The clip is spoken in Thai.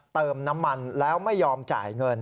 เติมน้ำมันแล้วไม่ยอมจ่ายเงิน